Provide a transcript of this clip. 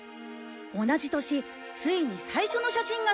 同じ年ついに最初の写真が撮影された。